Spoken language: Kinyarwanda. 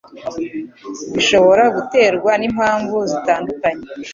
bishobora guterwa n'impamvu zitandukanye,